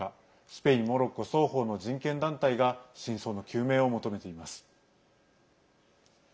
スペイン、モロッコ双方の人権団体が真相の究明を求めています。